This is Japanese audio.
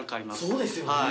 そうですよね。